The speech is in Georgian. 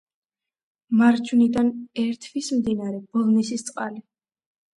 მარჯვნიდან ერთვის მდინარე ბოლნისისწყალი.